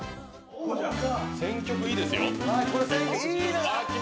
選曲いいですよ。